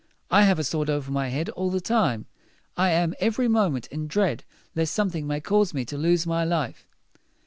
I have a sword over my head all the time. I am every moment in dread lest something may cause me to lose my life."